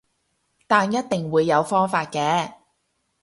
但一定會有方法嘅